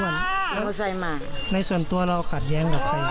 ผู้ชายอ้วนหมอไซค์หมักในส่วนตัวเราขาดแย้งกับใครไหม